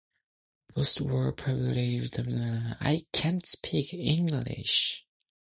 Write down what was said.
Post war publications corrected this.